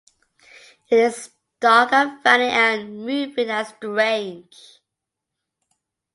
It is dark and funny and moving and strange.